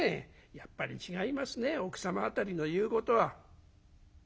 やっぱり違いますね奥様辺りの言うことは」。